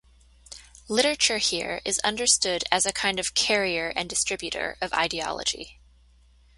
Literature here is understood as a kind of carrier and distributor of ideology.